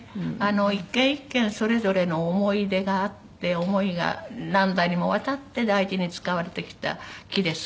一軒一軒それぞれの思い出があって思いが何代にもわたって大事に使われてきた木ですから。